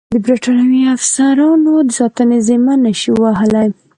د برټانوي افسرانو د ساتنې ذمه نه شي وهلای.